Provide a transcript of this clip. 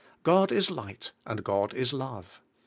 God is Light, and God is Love.